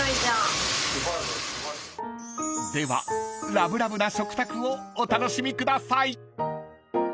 ［ではラブラブな食卓をお楽しみください］